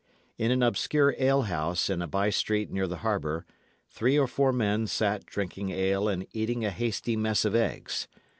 In an obscure alehouse in a by street near the harbour, three or four men sat drinking ale and eating a hasty mess of eggs.